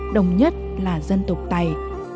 đông nhất là dân tộc tày